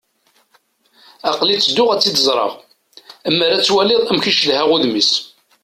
Aql-i tedduɣ ad tt-id-ẓreɣ. Ammer ad twaliḍ amek i cedhaɣ udem-is.